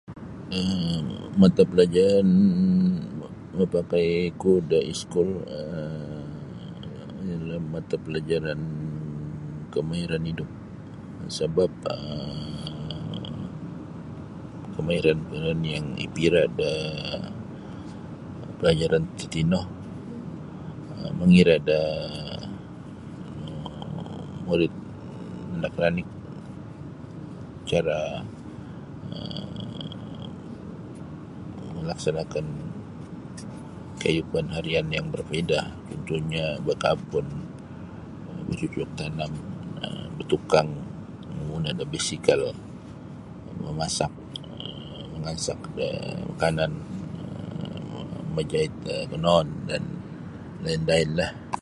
um mata pelajaran mapakaiku da iskul um ialah mata pelajaran kemahiran idup sebap um kemahiran-kemahiran yang ipira da pelajaran tatino um mangira da murid anak ranik cara um melaksanakan keidupan harian yang berpaidah cuntuhnyo bakabun bacucuk tanam um batukang mamuna da bisikal mangansak da makanan mamajait do konoon dan lain-lainlah.